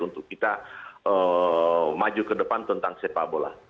untuk kita maju ke depan tentang sepak bola